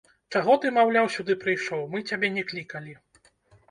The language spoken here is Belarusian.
Чаго ты, маўляў, сюды прыйшоў, мы цябе не клікалі.